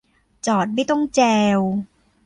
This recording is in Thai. จอดไม่ต้องแจว